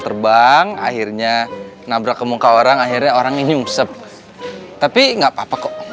terebang akhirnya nabrak kemuka orang akhirnya orang inyoso tapi nggak papa kok